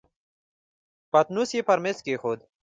پتنوس يې پر مېز کېښود.